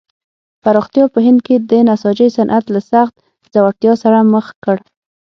پراختیا په هند کې د نساجۍ صنعت له سخت ځوړتیا سره مخ کړ.